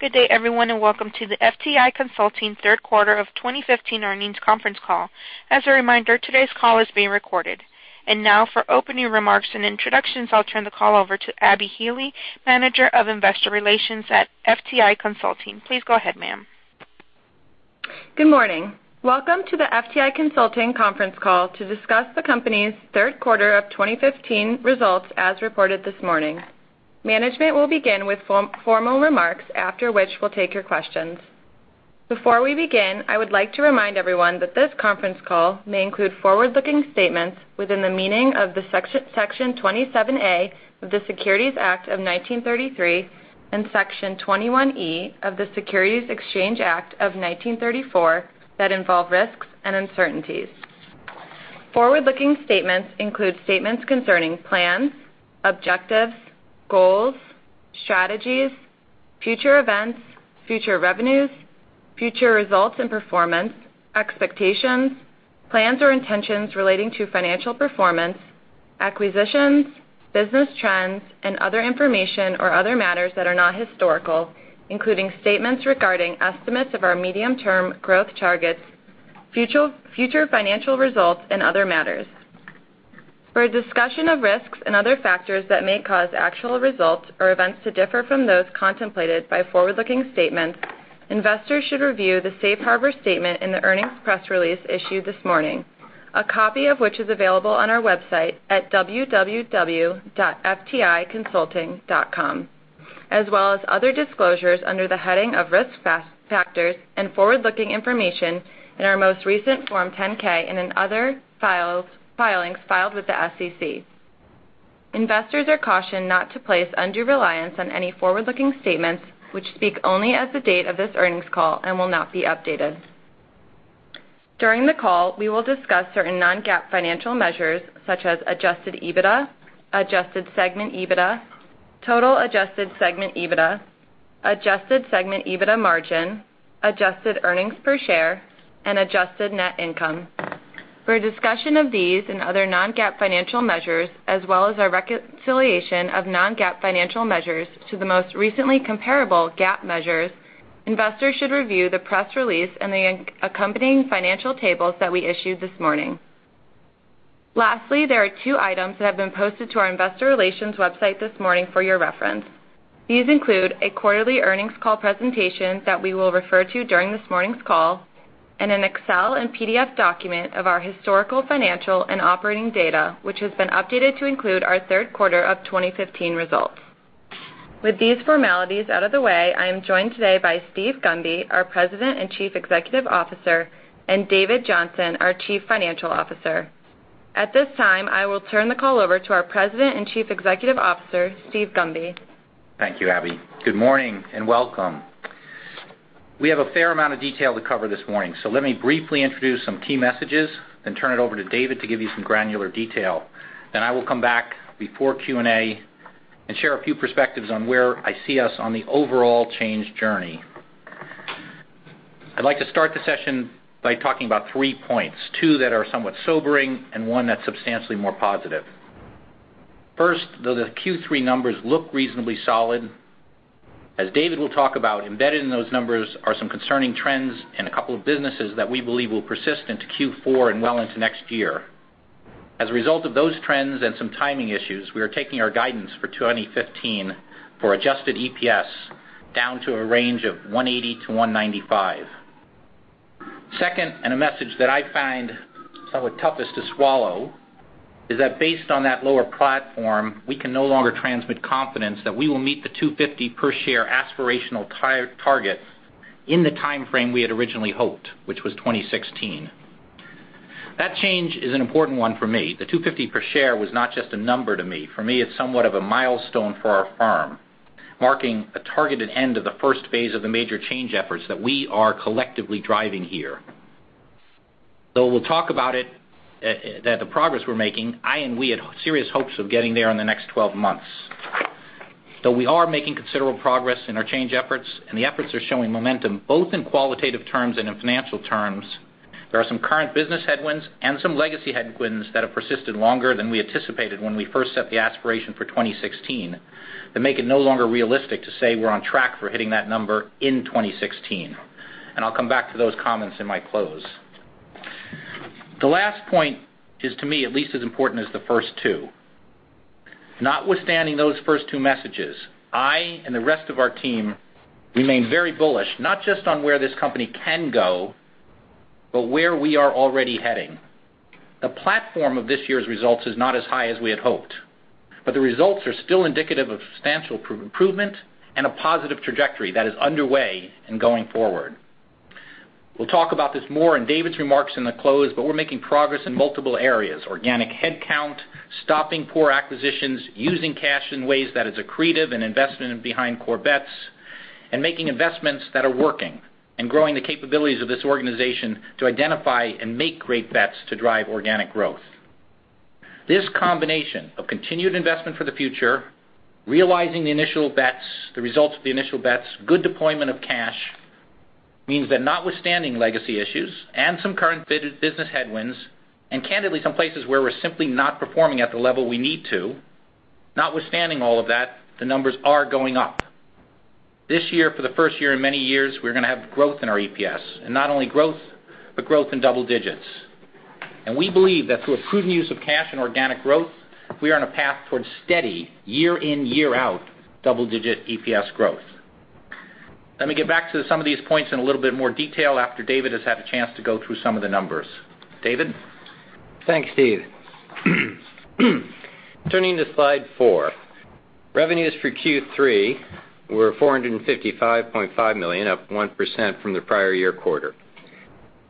Good day, everyone, welcome to the FTI Consulting third quarter of 2015 earnings conference call. As a reminder, today's call is being recorded. Now for opening remarks and introductions, I'll turn the call over to Mollie Hawkes, Head of Investor Relations at FTI Consulting. Please go ahead, ma'am. Good morning. Welcome to the FTI Consulting conference call to discuss the company's third quarter of 2015 results, as reported this morning. Management will begin with formal remarks, after which we'll take your questions. Before we begin, I would like to remind everyone that this conference call may include forward-looking statements within the meaning of Section 27A of the Securities Act of 1933 and Section 21E of the Securities Exchange Act of 1934 that involve risks and uncertainties. Forward-looking statements include statements concerning plans, objectives, goals, strategies, future events, future revenues, future results and performance, expectations, plans or intentions relating to financial performance, acquisitions, business trends, and other information or other matters that are not historical, including statements regarding estimates of our medium-term growth targets, future financial results, and other matters. For a discussion of risks and other factors that may cause actual results or events to differ from those contemplated by forward-looking statements, investors should review the safe harbor statement in the earnings press release issued this morning, a copy of which is available on our website at www.fticonsulting.com, as well as other disclosures under the heading of Risk Factors and Forward-Looking Information in our most recent Form 10-K and in other filings filed with the SEC. Investors are cautioned not to place undue reliance on any forward-looking statements, which speak only as of the date of this earnings call and will not be updated. During the call, we will discuss certain non-GAAP financial measures such as adjusted EBITDA, adjusted segment EBITDA, total adjusted segment EBITDA, adjusted segment EBITDA margin, adjusted earnings per share, and adjusted net income. For a discussion of these and other non-GAAP financial measures, as well as a reconciliation of non-GAAP financial measures to the most recently comparable GAAP measures, investors should review the press release and the accompanying financial tables that we issued this morning. Lastly, there are two items that have been posted to our investor relations website this morning for your reference. These include a quarterly earnings call presentation that we will refer to during this morning's call and an Excel and PDF document of our historical, financial, and operating data, which has been updated to include our third quarter of 2015 results. With these formalities out of the way, I am joined today by Steven Gunby, our President and Chief Executive Officer, and David Johnson, our Chief Financial Officer. At this time, I will turn the call over to our President and Chief Executive Officer, Steven Gunby. Thank you, Abby Healy. Good morning, and welcome. We have a fair amount of detail to cover this morning, so let me briefly introduce some key messages, then turn it over to David Johnson to give you some granular detail. I will come back before Q&A and share a few perspectives on where I see us on the overall change journey. I'd like to start the session by talking about three points, two that are somewhat sobering and one that's substantially more positive. First, though the Q3 numbers look reasonably solid, as David Johnson will talk about, embedded in those numbers are some concerning trends in a couple of businesses that we believe will persist into Q4 and well into next year. As a result of those trends and some timing issues, we are taking our guidance for 2015 for adjusted EPS down to a range of $1.80-$1.95. Second, a message that I find somewhat toughest to swallow is that based on that lower platform, we can no longer transmit confidence that we will meet the $2.50 per share aspirational target in the timeframe we had originally hoped, which was 2016. That change is an important one for me. The $2.50 per share was not just a number to me. For me, it's somewhat of a milestone for our firm, marking a targeted end of the first phase of the major change efforts that we are collectively driving here. Though we'll talk about it, the progress we're making, I and we had serious hopes of getting there in the next 12 months. Though we are making considerable progress in our change efforts, the efforts are showing momentum both in qualitative terms and in financial terms, there are some current business headwinds and some legacy headwinds that have persisted longer than we anticipated when we first set the aspiration for 2016 that make it no longer realistic to say we're on track for hitting that number in 2016. I'll come back to those comments in my close. The last point is, to me, at least as important as the first two. Notwithstanding those first two messages, I and the rest of our team remain very bullish, not just on where this company can go, but where we are already heading. The platform of this year's results is not as high as we had hoped, the results are still indicative of substantial improvement and a positive trajectory that is underway and going forward. We'll talk about this more in David Johnson's remarks in the close, but we're making progress in multiple areas: organic headcount, stopping poor acquisitions, using cash in ways that is accretive and investment behind core bets, and making investments that are working and growing the capabilities of this organization to identify and make great bets to drive organic growth. This combination of continued investment for the future, realizing the initial bets, the results of the initial bets, good deployment of cash means that notwithstanding legacy issues and some current business headwinds, and candidly, some places where we're simply not performing at the level we need to, notwithstanding all of that, the numbers are going up. This year, for the first year in many years, we're going to have growth in our EPS, not only growth, but growth in double digits. We believe that through a prudent use of cash and organic growth, we are on a path towards steady year in, year out, double-digit EPS growth. Let me get back to some of these points in a little bit more detail after David has had a chance to go through some of the numbers. David? Thanks, Steve. Turning to slide four. Revenues for Q3 were $455.5 million, up 1% from the prior year quarter.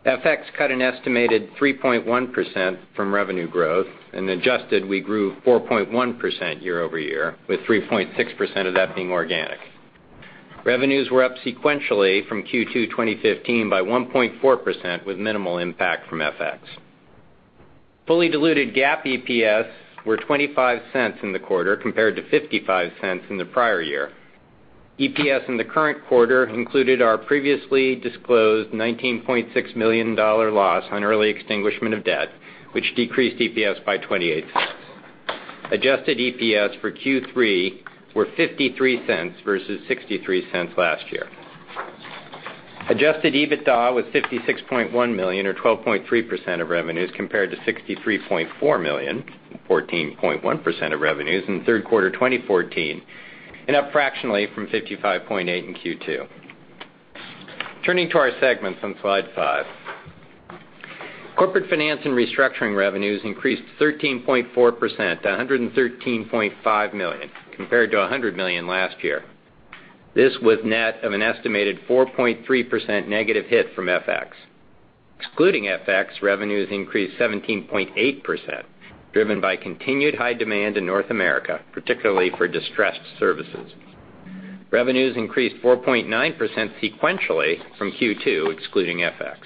FX cut an estimated 3.1% from revenue growth and adjusted, we grew 4.1% year-over-year, with 3.6% of that being organic. Revenues were up sequentially from Q2 2015 by 1.4%, with minimal impact from FX. Fully diluted GAAP EPS were $0.25 in the quarter, compared to $0.55 in the prior year. EPS in the current quarter included our previously disclosed $19.6 million loss on early extinguishment of debt, which decreased EPS by $0.28. Adjusted EPS for Q3 were $0.53 versus $0.63 last year. Adjusted EBITDA was $56.1 million or 12.3% of revenues compared to $63.4 million, 14.1% of revenues in third quarter 2014, and up fractionally from $55.8 million in Q2. Turning to our segments on slide five. Corporate Finance & Restructuring revenues increased 13.4% to $113.5 million compared to $100 million last year. This was net of an estimated 4.3% negative hit from FX. Excluding FX, revenues increased 17.8%, driven by continued high demand in North America, particularly for distressed services. Revenues increased 4.9% sequentially from Q2 excluding FX.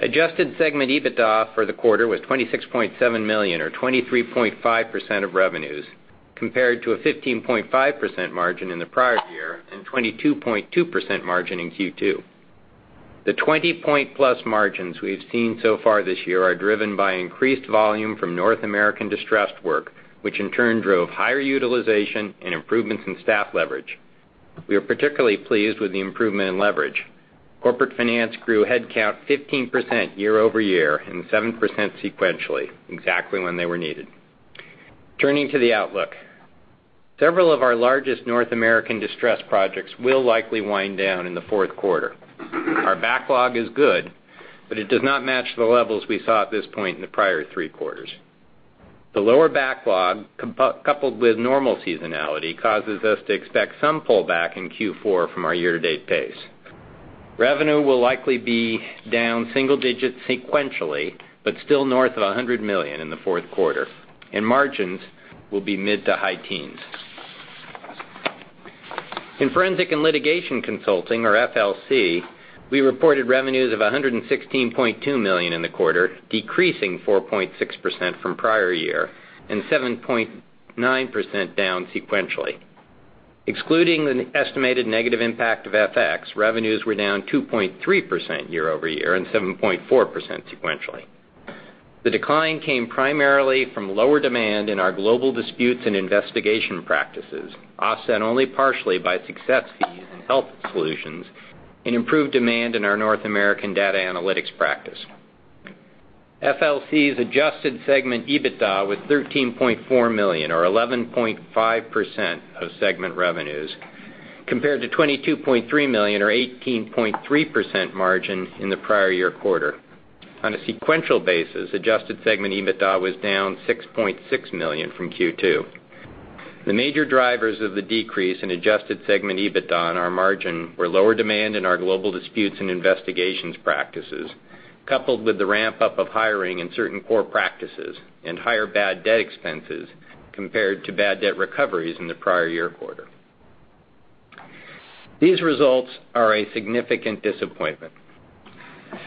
Adjusted segment EBITDA for the quarter was $26.7 million, or 23.5% of revenues, compared to a 15.5% margin in the prior year and 22.2% margin in Q2. The 20-point-plus margins we've seen so far this year are driven by increased volume from North American distressed work, which in turn drove higher utilization and improvements in staff leverage. We are particularly pleased with the improvement in leverage. Corporate Finance grew headcount 15% year-over-year and 7% sequentially, exactly when they were needed. Turning to the outlook. Several of our largest North American distressed projects will likely wind down in the fourth quarter. Our backlog is good, but it does not match the levels we saw at this point in the prior three quarters. The lower backlog, coupled with normal seasonality, causes us to expect some pullback in Q4 from our year-to-date pace. Revenue will likely be down single digits sequentially, but still north of $100 million in the fourth quarter, and margins will be mid to high teens. In Forensic and Litigation Consulting, or FLC, we reported revenues of $116.2 million in the quarter, decreasing 4.6% from prior year and 7.9% down sequentially. Excluding an estimated negative impact of FX, revenues were down 2.3% year-over-year and 7.4% sequentially. The decline came primarily from lower demand in our global disputes and investigation practices, offset only partially by success fees in Health Solutions and improved demand in our North American data analytics practice. FLC's adjusted segment EBITDA was $13.4 million, or 11.5% of segment revenues, compared to $22.3 million or 18.3% margin in the prior year quarter. On a sequential basis, adjusted segment EBITDA was down $6.6 million from Q2. The major drivers of the decrease in adjusted segment EBITDA and our margin were lower demand in our global disputes and investigations practices, coupled with the ramp-up of hiring in certain core practices and higher bad debt expenses compared to bad debt recoveries in the prior year quarter. These results are a significant disappointment.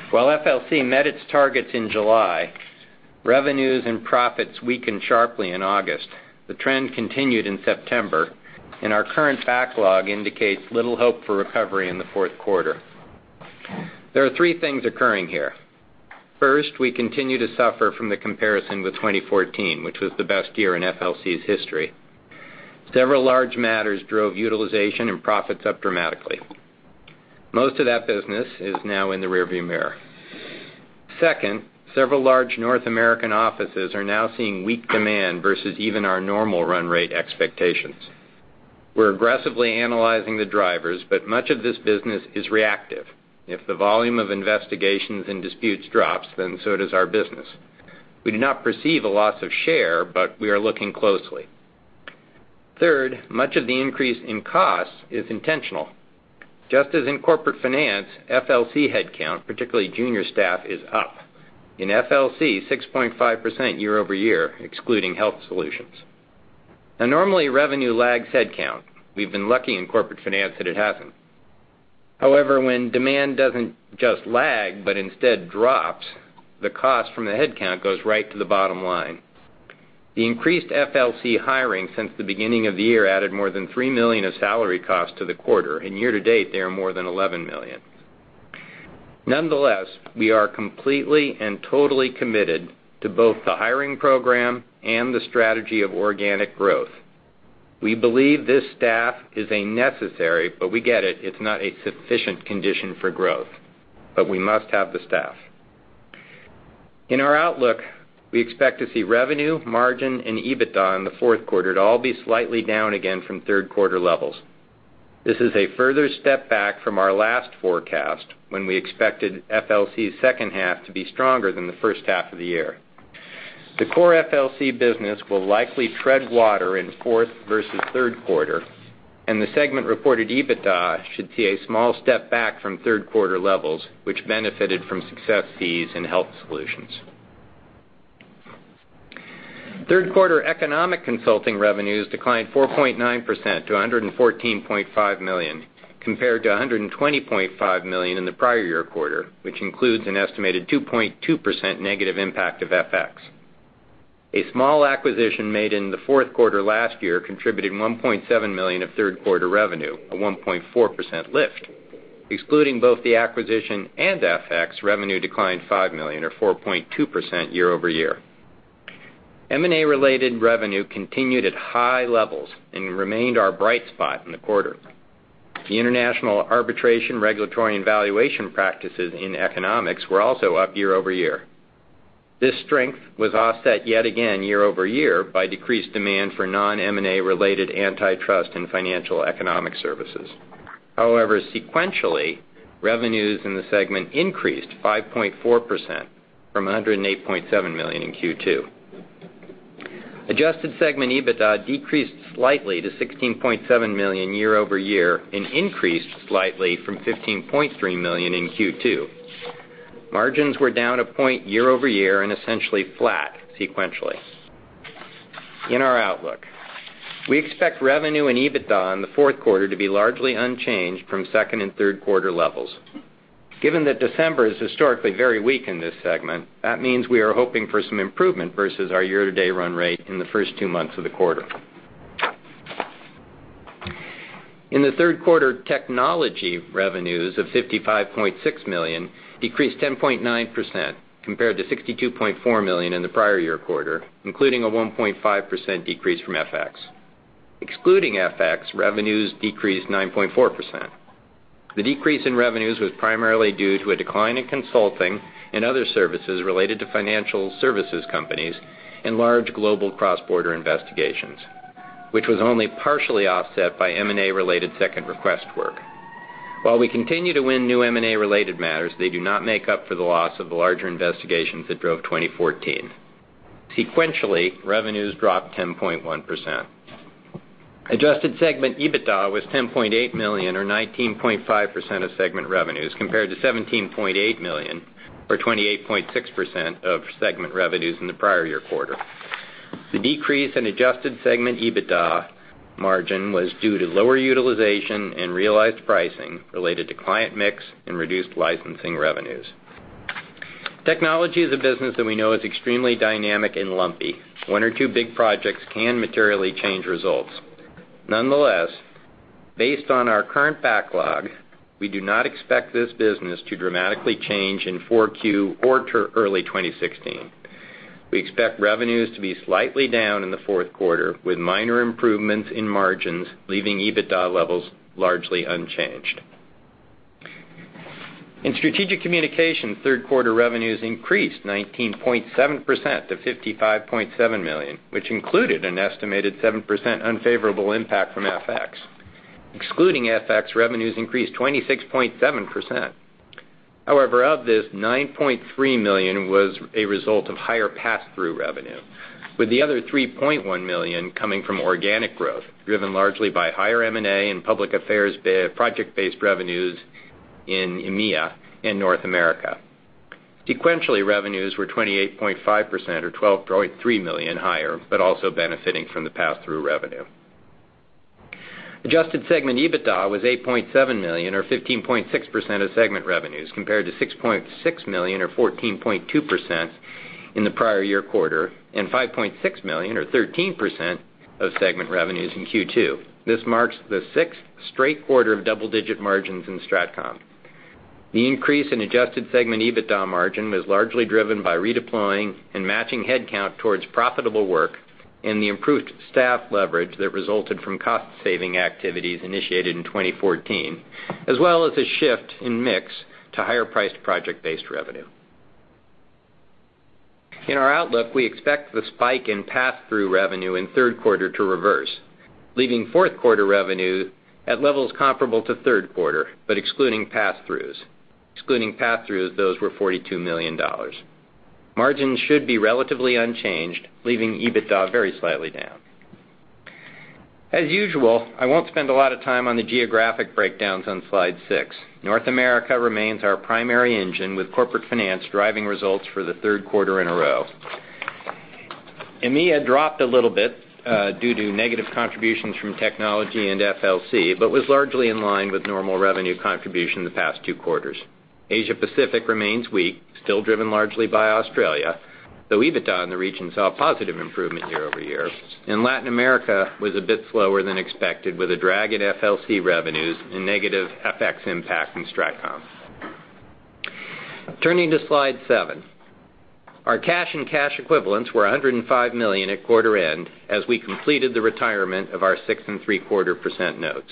While FLC met its targets in July, revenues and profits weakened sharply in August. The trend continued in September. Our current backlog indicates little hope for recovery in the fourth quarter. There are three things occurring here. First, we continue to suffer from the comparison with 2014, which was the best year in FLC's history. Several large matters drove utilization and profits up dramatically. Most of that business is now in the rear-view mirror. Second, several large North American offices are now seeing weak demand versus even our normal run rate expectations. We're aggressively analyzing the drivers, but much of this business is reactive. If the volume of investigations and disputes drops, then so does our business. We do not perceive a loss of share, but we are looking closely. Third, much of the increase in cost is intentional. Just as in Corporate Finance, FLC headcount, particularly junior staff, is up. In FLC, 6.5% year-over-year, excluding Health Solutions. Normally, revenue lags headcount. We've been lucky in Corporate Finance that it hasn't. However, when demand doesn't just lag but instead drops, the cost from the headcount goes right to the bottom line. The increased FLC hiring since the beginning of the year added more than $3 million of salary costs to the quarter. Year-to-date, they are more than $11 million. Nonetheless, we are completely and totally committed to both the hiring program and the strategy of organic growth. We believe this staff is a necessary, but we get it's not a sufficient condition for growth, but we must have the staff. In our outlook, we expect to see revenue, margin, and EBITDA in the fourth quarter to all be slightly down again from third quarter levels. This is a further step back from our last forecast when we expected FLC's second half to be stronger than the first half of the year. The core FLC business will likely tread water in fourth versus third quarter, and the segment reported EBITDA should see a small step back from third quarter levels, which benefited from success fees and Health Solutions. Third quarter economic consulting revenues declined 4.9% to $114.5 million, compared to $120.5 million in the prior year quarter, which includes an estimated 2.2% negative impact of FX. A small acquisition made in the fourth quarter last year contributed $1.7 million of third quarter revenue, a 1.4% lift. Excluding both the acquisition and FX, revenue declined $5 million or 4.2% year-over-year. M&A related revenue continued at high levels and remained our bright spot in the quarter. The international arbitration regulatory and valuation practices in economics were also up year-over-year. This strength was offset yet again year-over-year by decreased demand for non-M&A related antitrust and financial economic services. Sequentially, revenues in the segment increased 5.4% from $108.7 million in Q2. Adjusted segment EBITDA decreased slightly to $16.7 million year-over-year and increased slightly from $15.3 million in Q2. Margins were down a point year-over-year and essentially flat sequentially. In our outlook, we expect revenue and EBITDA in the fourth quarter to be largely unchanged from second and third quarter levels. Given that December is historically very weak in this segment, that means we are hoping for some improvement versus our year-to-date run rate in the first two months of the quarter. In the third quarter, technology revenues of $55.6 million decreased 10.9% compared to $62.4 million in the prior year quarter, including a 1.5% decrease from FX. Excluding FX, revenues decreased 9.4%. The decrease in revenues was primarily due to a decline in consulting and other services related to financial services companies and large global cross-border investigations, which was only partially offset by M&A related second request work. While we continue to win new M&A related matters, they do not make up for the loss of the larger investigations that drove 2014. Sequentially, revenues dropped 10.1%. Adjusted segment EBITDA was $10.8 million or 19.5% of segment revenues compared to $17.8 million or 28.6% of segment revenues in the prior year quarter. The decrease in adjusted segment EBITDA margin was due to lower utilization and realized pricing related to client mix and reduced licensing revenues. Technology is a business that we know is extremely dynamic and lumpy. One or two big projects can materially change results. Based on our current backlog, we do not expect this business to dramatically change in 4Q or early 2016. We expect revenues to be slightly down in the fourth quarter, with minor improvements in margins, leaving EBITDA levels largely unchanged. In Strategic Communications, third quarter revenues increased 19.7% to $55.7 million, which included an estimated 7% unfavorable impact from FX. Excluding FX, revenues increased 26.7%. Of this, $9.3 million was a result of higher pass-through revenue, with the other $3.1 million coming from organic growth, driven largely by higher M&A and public affairs project-based revenues in EMEA and North America. Sequentially, revenues were 28.5% or $12.3 million higher, also benefiting from the pass-through revenue. Adjusted segment EBITDA was $8.7 million or 15.6% of segment revenues compared to $6.6 million or 14.2% in the prior year quarter and $5.6 million or 13% of segment revenues in Q2. This marks the sixth straight quarter of double-digit margins in Strategic Communications. The increase in adjusted segment EBITDA margin was largely driven by redeploying and matching headcount towards profitable work and the improved staff leverage that resulted from cost-saving activities initiated in 2014, as well as a shift in mix to higher-priced project-based revenue. In our outlook, we expect the spike in pass-through revenue in the third quarter to reverse, leaving fourth quarter revenue at levels comparable to the third quarter, but excluding pass-throughs. Excluding pass-throughs, those were $42 million. Margins should be relatively unchanged, leaving EBITDA very slightly down. I won't spend a lot of time on the geographic breakdowns on slide six. North America remains our primary engine, with Corporate Finance driving results for the third quarter in a row. EMEA dropped a little bit due to negative contributions from technology and FLC, but was largely in line with normal revenue contribution in the past two quarters. Asia Pacific remains weak, still driven largely by Australia, though EBITDA in the region saw a positive improvement year-over-year. Latin America was a bit slower than expected, with a drag in FLC revenues and negative FX impact from Strategic Communications. Turning to Slide 7. Our cash and cash equivalents were $105 million at quarter end as we completed the retirement of our 6.75% notes.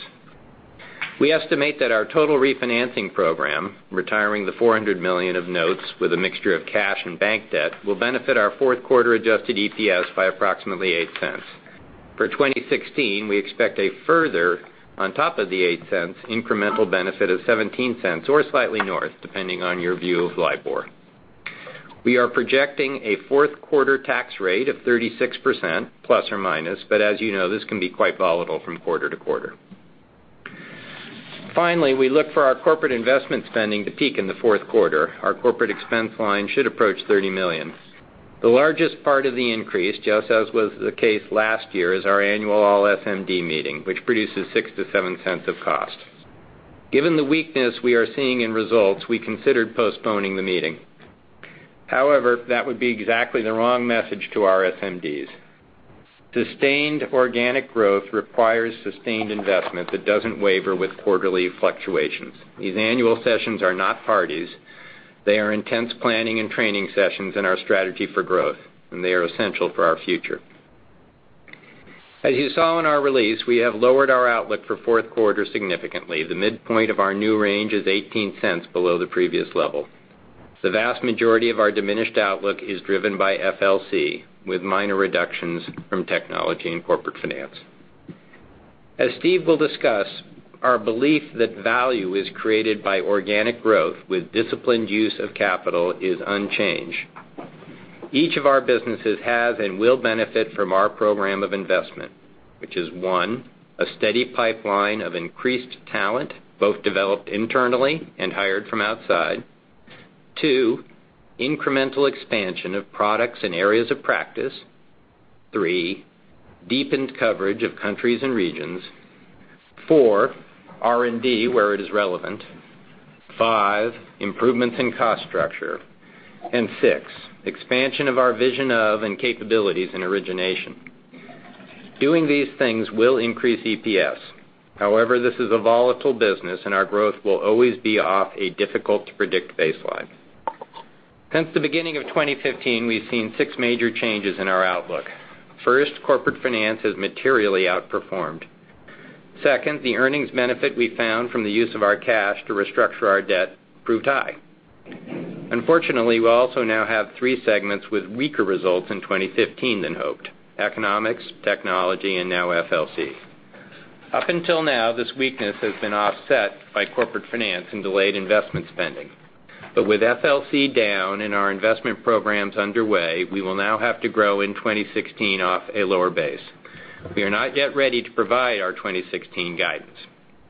We estimate that our total refinancing program, retiring the $400 million of notes with a mixture of cash and bank debt, will benefit our fourth quarter adjusted EPS by approximately $0.08. For 2016, we expect a further, on top of the $0.08, incremental benefit of $0.17 or slightly north, depending on your view of LIBOR. We are projecting a fourth quarter tax rate of 36% plus or minus, but as you know, this can be quite volatile from quarter to quarter. Finally, we look for our corporate investment spending to peak in the fourth quarter. Our corporate expense line should approach $30 million. The largest part of the increase, just as was the case last year, is our annual all SMD meeting, which produces $0.06-$0.07 of cost. Given the weakness we are seeing in results, we considered postponing the meeting. That would be exactly the wrong message to our SMDs. Sustained organic growth requires sustained investment that doesn't waver with quarterly fluctuations. These annual sessions are not parties. They are intense planning and training sessions in our strategy for growth, and they are essential for our future. As you saw in our release, we have lowered our outlook for fourth quarter significantly. The midpoint of our new range is $0.18 below the previous level. The vast majority of our diminished outlook is driven by FLC, with minor reductions from technology and Corporate Finance. As Steve will discuss, our belief that value is created by organic growth with disciplined use of capital is unchanged. Each of our businesses has and will benefit from our program of investment, which is, 1, a steady pipeline of increased talent, both developed internally and hired from outside. 2, incremental expansion of products and areas of practice. 3, deepened coverage of countries and regions. 4, R&D where it is relevant. 5, improvements in cost structure. 6, expansion of our vision of and capabilities in origination. Doing these things will increase EPS. This is a volatile business and our growth will always be off a difficult-to-predict baseline. Since the beginning of 2015, we've seen six major changes in our outlook. 1st, Corporate Finance has materially outperformed. 2nd, the earnings benefit we found from the use of our cash to restructure our debt proved high. Unfortunately, we also now have three segments with weaker results in 2015 than hoped: economics, technology, and now FLC. Up until now, this weakness has been offset by Corporate Finance and delayed investment spending. With FLC down and our investment programs underway, we will now have to grow in 2016 off a lower base. We are not yet ready to provide our 2016 guidance.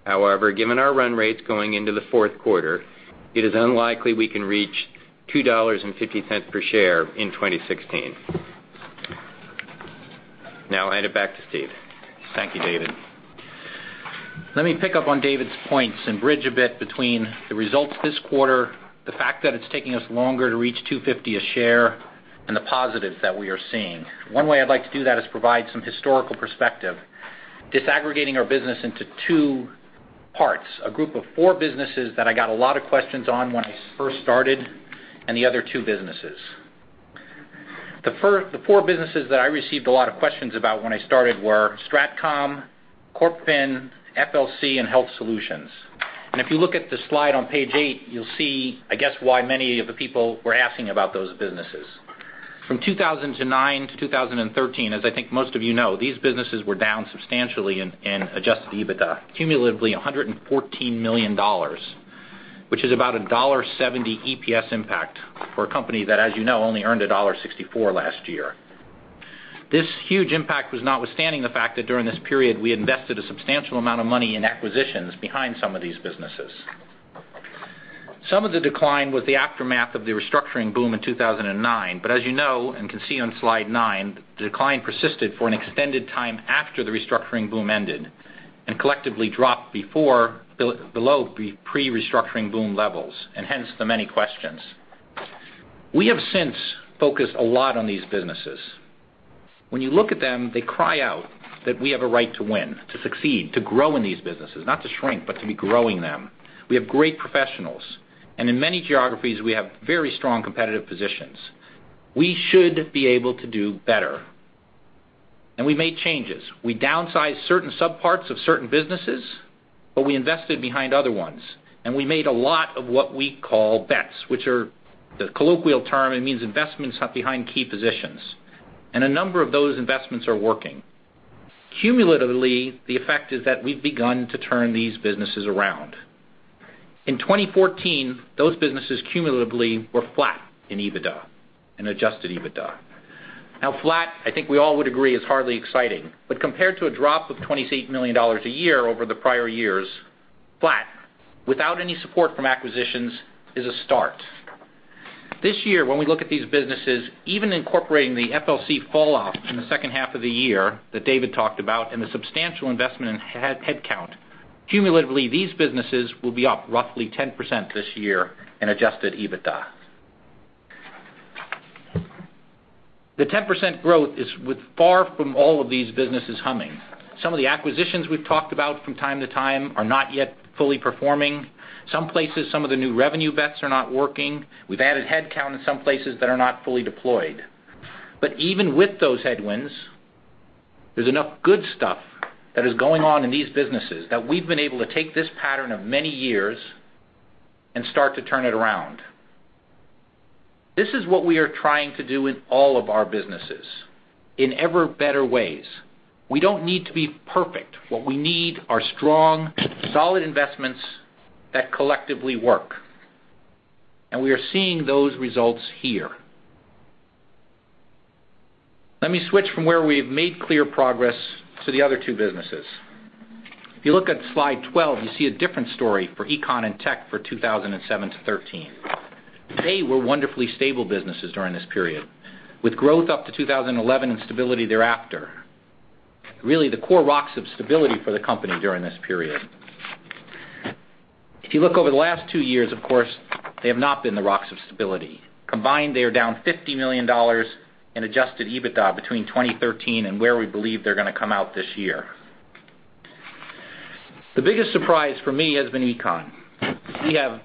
Given our run rates going into the fourth quarter, it is unlikely we can reach $2.50 per share in 2016. Now I'll hand it back to Steve. Thank you, David. Let me pick up on David's points and bridge a bit between the results this quarter, the fact that it's taking us longer to reach $2.50 a share, and the positives that we are seeing. One way I'd like to do that is provide some historical perspective, disaggregating our business into two parts, a group of four businesses that I got a lot of questions on when I first started, and the other two businesses. The four businesses that I received a lot of questions about when I started were Strategic Communications, Corporate Finance, FLC, and Health Solutions. If you look at the slide on page eight, you'll see, I guess, why many of the people were asking about those businesses. From 2009 to 2013, as I think most of you know, these businesses were down substantially in adjusted EBITDA, cumulatively $114 million, which is about a $1.70 EPS impact for a company that, as you know, only earned a $1.64 last year. This huge impact was notwithstanding the fact that during this period, we invested a substantial amount of money in acquisitions behind some of these businesses. Some of the decline was the aftermath of the restructuring boom in 2009. As you know and can see on Slide nine, the decline persisted for an extended time after the restructuring boom ended and collectively dropped below pre-restructuring boom levels, and hence the many questions. We have since focused a lot on these businesses. When you look at them, they cry out that we have a right to win, to succeed, to grow in these businesses, not to shrink, but to be growing them. We have great professionals, and in many geographies, we have very strong competitive positions. We should be able to do better. We made changes. We downsized certain sub-parts of certain businesses, but we invested behind other ones. We made a lot of what we call bets, which are the colloquial term. It means investments behind key positions. A number of those investments are working. Cumulatively, the effect is that we've begun to turn these businesses around. In 2014, those businesses cumulatively were flat in EBITDA and adjusted EBITDA. Now flat, I think we all would agree, is hardly exciting. Compared to a drop of $28 million a year over the prior years, flat, without any support from acquisitions, is a start. This year, when we look at these businesses, even incorporating the FLC falloff in the second half of the year that David talked about and the substantial investment in headcount, cumulatively, these businesses will be up roughly 10% this year in adjusted EBITDA. The 10% growth is with far from all of these businesses humming. Some of the acquisitions we've talked about from time to time are not yet fully performing. Some places, some of the new revenue bets are not working. We've added headcount in some places that are not fully deployed. Even with those headwinds, there's enough good stuff that is going on in these businesses that we've been able to take this pattern of many years and start to turn it around. This is what we are trying to do in all of our businesses in ever better ways. We don't need to be perfect. What we need are strong, solid investments that collectively work, and we are seeing those results here. Let me switch from where we have made clear progress to the other two businesses. If you look at slide 12, you see a different story for econ and tech for 2007 to 2013. They were wonderfully stable businesses during this period, with growth up to 2011 and stability thereafter. Really, the core rocks of stability for the company during this period. If you look over the last two years, of course, they have not been the rocks of stability. Combined, they are down $50 million in adjusted EBITDA between 2013 and where we believe they're going to come out this year. The biggest surprise for me has been econ. We have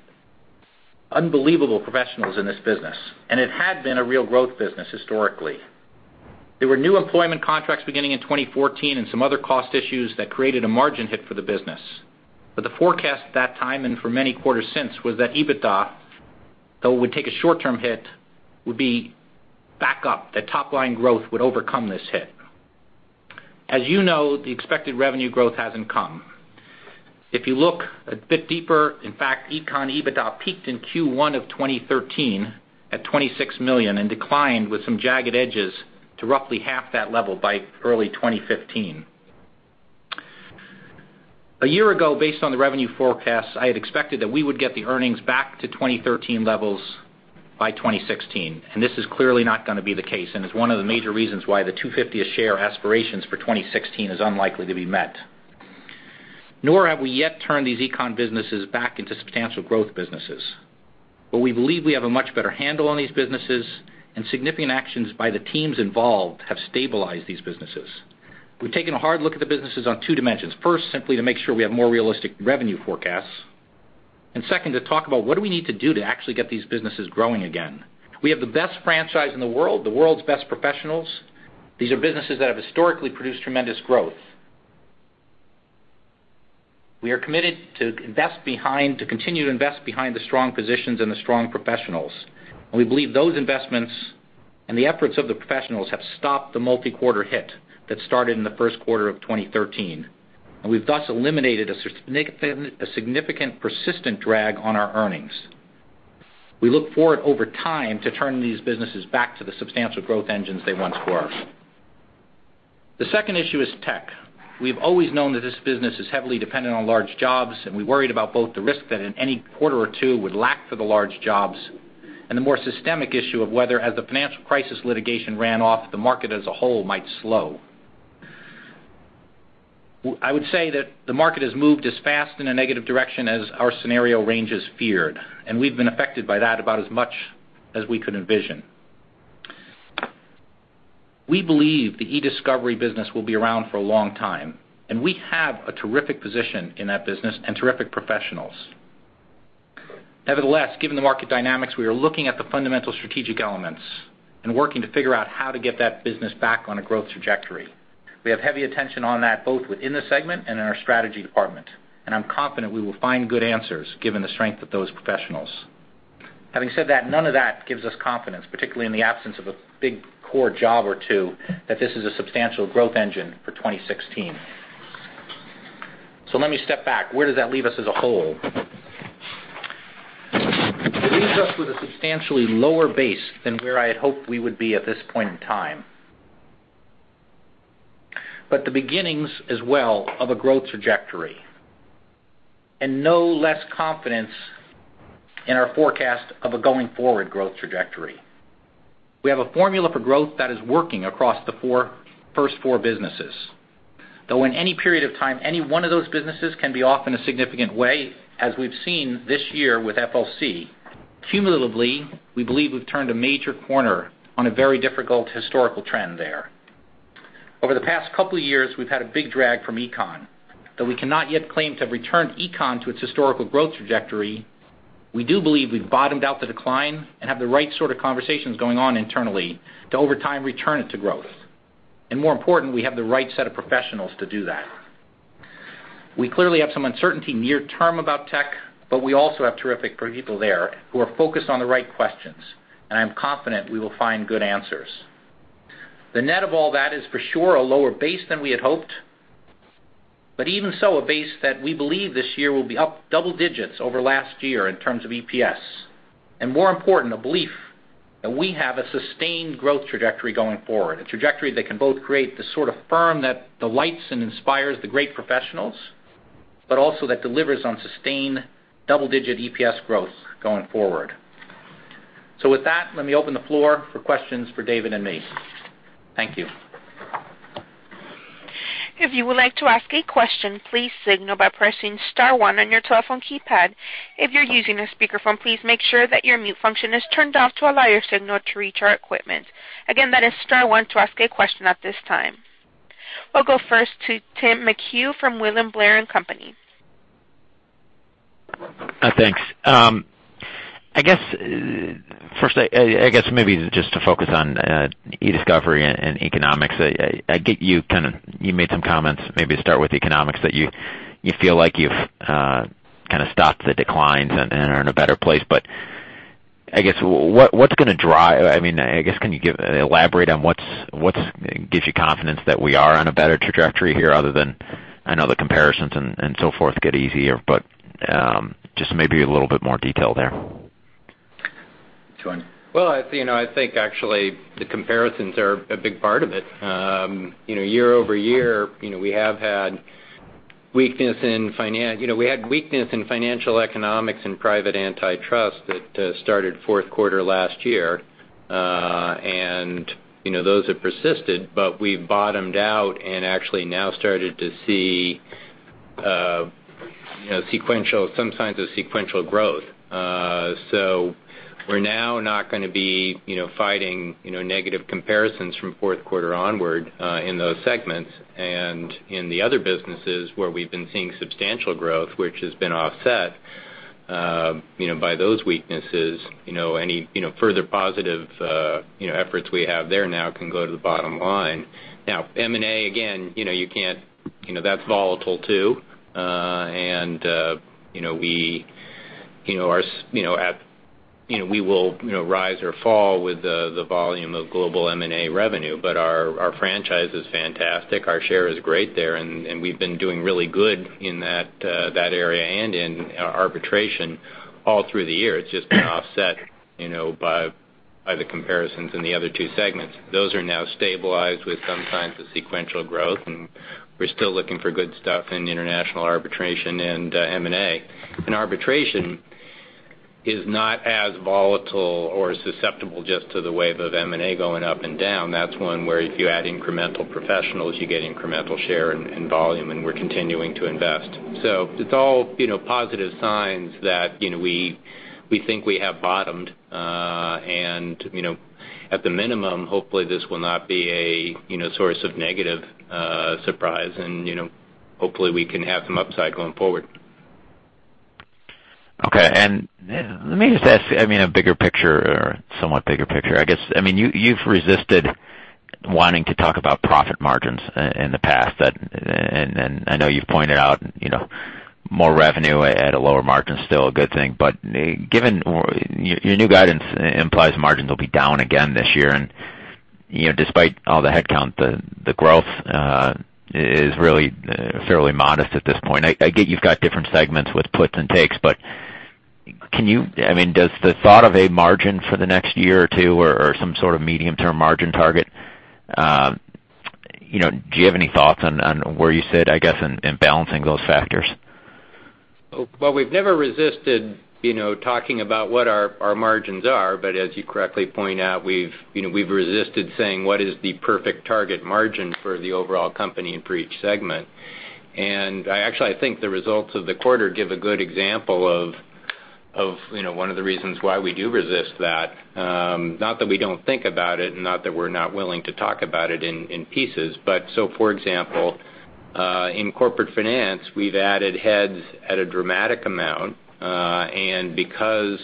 unbelievable professionals in this business, and it had been a real growth business historically. There were new employment contracts beginning in 2014 and some other cost issues that created a margin hit for the business. But the forecast at that time, and for many quarters since, was that EBITDA, though it would take a short-term hit, would be back up. That top-line growth would overcome this hit. As you know, the expected revenue growth hasn't come. If you look a bit deeper, in fact, econ EBITDA peaked in Q1 of 2013 at $26 million and declined with some jagged edges to roughly half that level by early 2015. A year ago, based on the revenue forecast, I had expected that we would get the earnings back to 2013 levels by 2016, and this is clearly not going to be the case, and it's one of the major reasons why the $2.50 a share aspirations for 2016 is unlikely to be met. Nor have we yet turned these econ businesses back into substantial growth businesses. But we believe we have a much better handle on these businesses, and significant actions by the teams involved have stabilized these businesses. We've taken a hard look at the businesses on two dimensions. First, simply to make sure we have more realistic revenue forecasts. Second, to talk about what do we need to do to actually get these businesses growing again. We have the best franchise in the world, the world's best professionals. These are businesses that have historically produced tremendous growth. We are committed to continue to invest behind the strong positions and the strong professionals, and we believe those investments and the efforts of the professionals have stopped the multi-quarter hit that started in the first quarter of 2013, and we've thus eliminated a significant, persistent drag on our earnings. We look forward over time to turning these businesses back to the substantial growth engines they once were. The second issue is tech. We've always known that this business is heavily dependent on large jobs, and we worried about both the risk that in any quarter or two would lack for the large jobs, and the more systemic issue of whether as the financial crisis litigation ran off, the market as a whole might slow. I would say that the market has moved as fast in a negative direction as our scenario ranges feared, and we've been affected by that about as much as we could envision. We believe the e-discovery business will be around for a long time, and we have a terrific position in that business and terrific professionals. Nevertheless, given the market dynamics, we are looking at the fundamental strategic elements and working to figure out how to get that business back on a growth trajectory. We have heavy attention on that, both within the segment and in our strategy department, and I'm confident we will find good answers given the strength of those professionals. Having said that, none of that gives us confidence, particularly in the absence of a big core job or two, that this is a substantial growth engine for 2016. Let me step back. Where does that leave us as a whole? It leaves us with a substantially lower base than where I had hoped we would be at this point in time. The beginnings as well of a growth trajectory, and no less confidence in our forecast of a going forward growth trajectory. We have a formula for growth that is working across the first four businesses. Though in any period of time, any one of those businesses can be off in a significant way, as we've seen this year with FLC. Cumulatively, we believe we've turned a major corner on a very difficult historical trend there. Over the past couple of years, we've had a big drag from econ. Though we cannot yet claim to have returned econ to its historical growth trajectory, we do believe we've bottomed out the decline and have the right sort of conversations going on internally to, over time, return it to growth. More important, we have the right set of professionals to do that. We clearly have some uncertainty near term about tech, but we also have terrific people there who are focused on the right questions, and I am confident we will find good answers. The net of all that is for sure a lower base than we had hoped, even so, a base that we believe this year will be up double digits over last year in terms of EPS. More important, a belief that we have a sustained growth trajectory going forward, a trajectory that can both create the sort of firm that delights and inspires the great professionals also that delivers on sustained double-digit EPS growth going forward. With that, let me open the floor for questions for David and me. Thank you. If you would like to ask a question, please signal by pressing star one on your telephone keypad. If you're using a speakerphone, please make sure that your mute function is turned off to allow your signal to reach our equipment. Again, that is star one to ask a question at this time. We'll go first to Timothy McHugh from William Blair & Company. Thanks. First, maybe just to focus on e-discovery and economics. You made some comments, maybe to start with economics, that you feel like you've kind of stopped the declines and are in a better place. I guess, can you elaborate on what gives you confidence that we are on a better trajectory here other than, I know the comparisons and so forth get easier, but just maybe a little bit more detail there? Join. Well, I think actually, the comparisons are a big part of it. Year-over-year, we had weakness in financial economics and private antitrust that started fourth quarter last year. Those have persisted, but we've bottomed out and actually now started to see some signs of sequential growth. We're now not going to be fighting negative comparisons from fourth quarter onward in those segments. In the other businesses where we've been seeing substantial growth, which has been offset by those weaknesses, any further positive efforts we have there now can go to the bottom line. Now, M&A, again, that's volatile too. We will rise or fall with the volume of global M&A revenue. Our franchise is fantastic, our share is great there, and we've been doing really good in that area and in arbitration all through the year. It's just been offset by the comparisons in the other two segments. Those are now stabilized with some signs of sequential growth, we're still looking for good stuff in the international arbitration and M&A. Arbitration is not as volatile or susceptible just to the wave of M&A going up and down. That's one where if you add incremental professionals, you get incremental share and volume, and we're continuing to invest. It's all positive signs that we think we have bottomed. At the minimum, hopefully this will not be a source of negative surprise and hopefully we can have some upside going forward. Okay. Let me just ask a bigger picture, or somewhat bigger picture, I guess. You've resisted wanting to talk about profit margins in the past, and I know you've pointed out more revenue at a lower margin is still a good thing, but your new guidance implies margins will be down again this year, and despite all the headcount, the growth is really fairly modest at this point. I get you've got different segments with puts and takes, but does the thought of a margin for the next year or two or some sort of medium-term margin target, do you have any thoughts on where you sit, I guess, in balancing those factors? We've never resisted talking about what our margins are, but as you correctly point out, we've resisted saying what is the perfect target margin for the overall company and for each segment. Actually, I think the results of the quarter give a good example of one of the reasons why we do resist that. Not that we don't think about it, and not that we're not willing to talk about it in pieces, but so for example, in Corporate Finance, we've added heads at a dramatic amount. Because,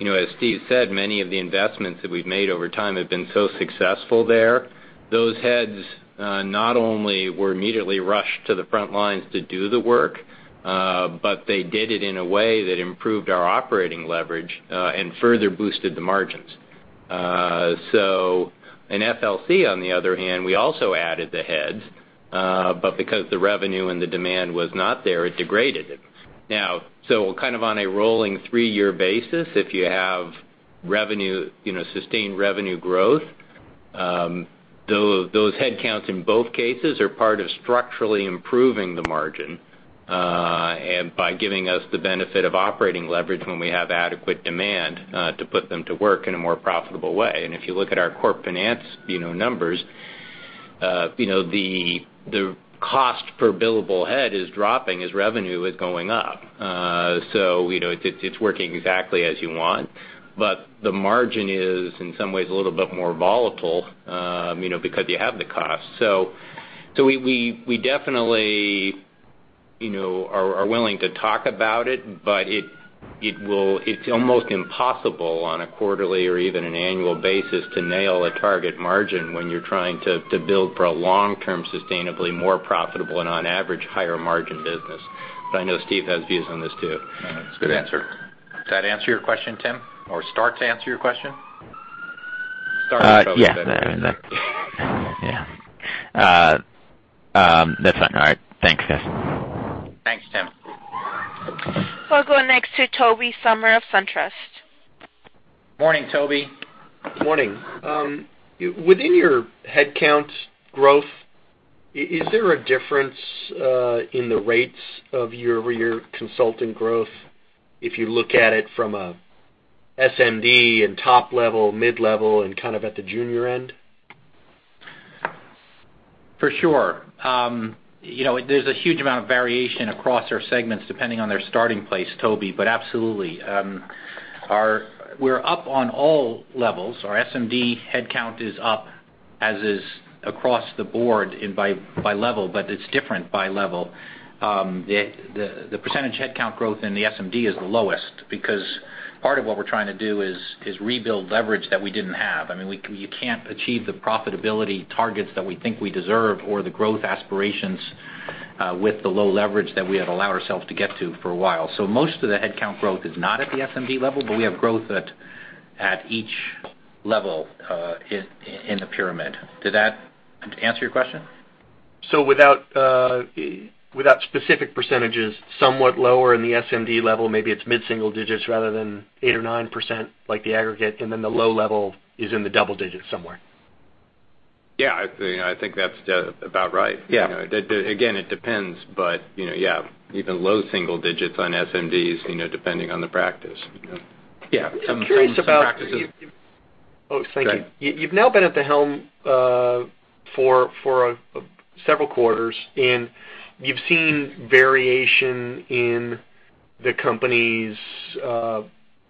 as Steve Gunby said, many of the investments that we've made over time have been so successful there, those heads not only were immediately rushed to the front lines to do the work, but they did it in a way that improved our operating leverage and further boosted the margins. In FLC, on the other hand, we also added the heads, but because the revenue and the demand was not there, it degraded it. Kind of on a rolling three-year basis, if you have sustained revenue growth, those headcounts in both cases are part of structurally improving the margin by giving us the benefit of operating leverage when we have adequate demand to put them to work in a more profitable way. If you look at our Corporate Finance numbers, the cost per billable head is dropping as revenue is going up. It's working exactly as you want, but the margin is, in some ways, a little bit more volatile, because you have the cost. We definitely are willing to talk about it, but it's almost impossible on a quarterly or even an annual basis to nail a target margin when you're trying to build for a long-term, sustainably more profitable and on average, higher margin business. I know Steve Gunby has views on this too. That's a good answer. Does that answer your question, Tim, or start to answer your question? Yeah. That's fine. All right. Thanks, guys. Thanks, Tim. We'll go next to Tobey Sommer of SunTrust. Morning, Tobey. Morning. Within your headcount growth, is there a difference in the rates of your consulting growth if you look at it from a SMD and top level, mid-level, and kind of at the junior end? For sure. There's a huge amount of variation across our segments, depending on their starting place, Tobey, but absolutely. We're up on all levels. Our SMD headcount is up, as is across the board by level, but it's different by level. The percentage headcount growth in the SMD is the lowest because part of what we're trying to do is rebuild leverage that we didn't have. You can't achieve the profitability targets that we think we deserve or the growth aspirations with the low leverage that we had allowed ourselves to get to for a while. Most of the headcount growth is not at the SMD level, but we have growth at each level in the pyramid. Did that answer your question? Without specific percentages, somewhat lower in the SMD level, maybe it's mid-single digits rather than 8% or 9% like the aggregate, and then the low level is in the double digits somewhere. Yeah. I think that's about right. Yeah. Again, it depends, but yeah. Even low single digits on SMDs, depending on the practice. Yeah. I'm curious about. Some practices. Oh, thank you. Go ahead. You've now been at the helm for several quarters, and you've seen variation in the company's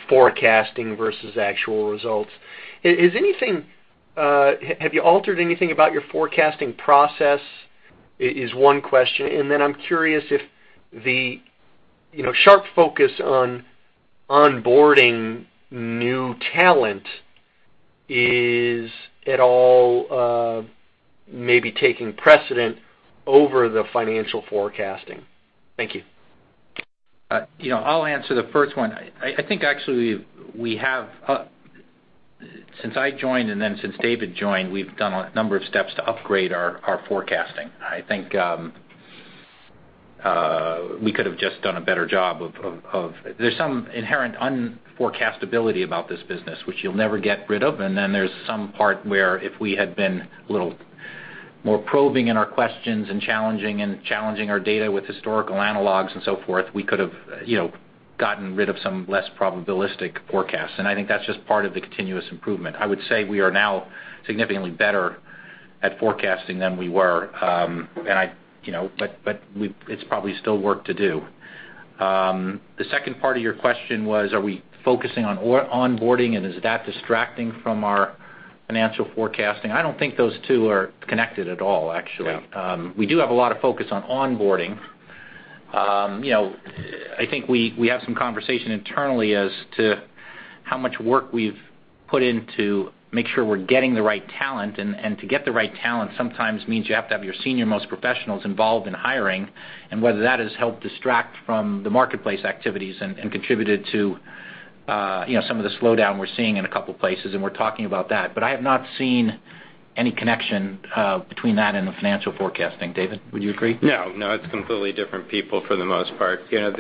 forecasting versus actual results. Have you altered anything about your forecasting process? Is one question, and then I'm curious if the sharp focus on onboarding new talent is at all maybe taking precedent over the financial forecasting. Thank you. I'll answer the first one. I think actually, since I joined and then since David joined, we've done a number of steps to upgrade our forecasting. I think we could have just done a better job. There's some inherent unforecastability about this business, which you'll never get rid of, and then there's some part where if we had been a little more probing in our questions and challenging our data with historical analogs and so forth, we could have gotten rid of some less probabilistic forecasts. I think that's just part of the continuous improvement. I would say we are now significantly better at forecasting than we were, but it's probably still work to do. The second part of your question was, are we focusing on onboarding, and is that distracting from our financial forecasting? I don't think those two are connected at all, actually. Yeah. We do have a lot of focus on onboarding. I think we have some conversation internally as to how much work we've put in to make sure we're getting the right talent, and to get the right talent sometimes means you have to have your senior-most professionals involved in hiring, and whether that has helped distract from the marketplace activities and contributed to some of the slowdown we're seeing in a couple of places, and we're talking about that. I have not seen any connection between that and the financial forecasting. David, would you agree? It's completely different people for the most part. Yes,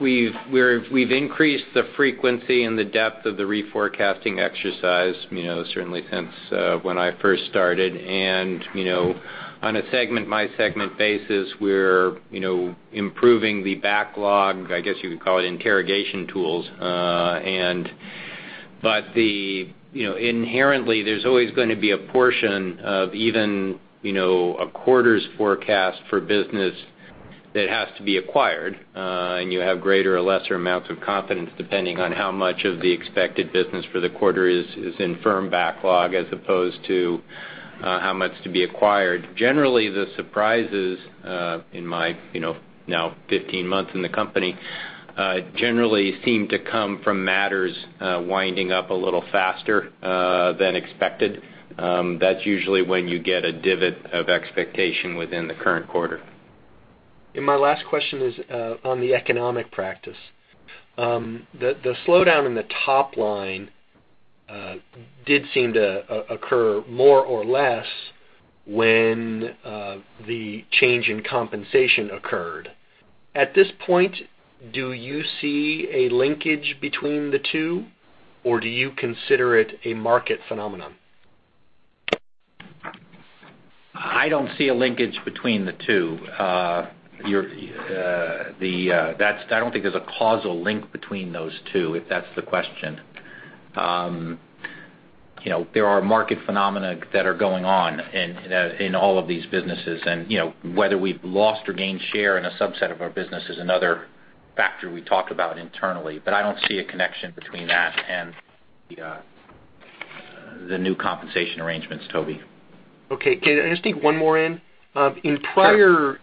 we've increased the frequency and the depth of the reforecasting exercise certainly since when I first started. On a segment by segment basis, we're improving the backlog, I guess you could call it interrogation tools. Inherently, there's always going to be a portion of even a quarter's forecast for business that has to be acquired, and you have greater or lesser amounts of confidence depending on how much of the expected business for the quarter is in firm backlog as opposed to how much to be acquired. Generally, the surprises in my now 15 months in the company, generally seem to come from matters winding up a little faster than expected. That's usually when you get a divot of expectation within the current quarter. My last question is on the economic practice. The slowdown in the top line did seem to occur more or less when the change in compensation occurred. At this point, do you see a linkage between the two, or do you consider it a market phenomenon? I don't see a linkage between the two. I don't think there's a causal link between those two, if that's the question. There are market phenomena that are going on in all of these businesses, and whether we've lost or gained share in a subset of our business is another factor we talk about internally. I don't see a connection between that and the new compensation arrangements, Tobey. Okay. Can I just take one more in? Sure. In prior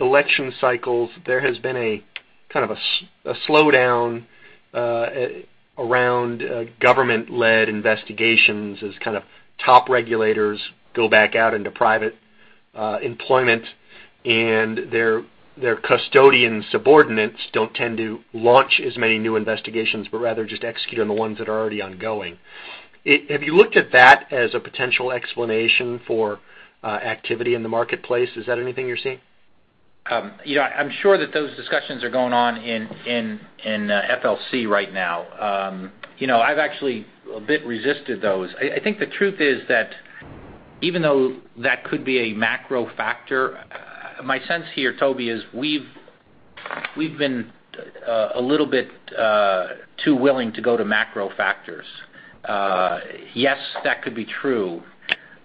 election cycles, there has been a kind of a slowdown around government-led investigations as kind of top regulators go back out into private employment, and their custodian subordinates don't tend to launch as many new investigations, but rather just execute on the ones that are already ongoing. Have you looked at that as a potential explanation for activity in the marketplace? Is that anything you're seeing? I'm sure that those discussions are going on in FLC right now. I've actually a bit resisted those. I think the truth is that even though that could be a macro factor, my sense here, Tobey, is we've been a little bit too willing to go to macro factors. Yes, that could be true.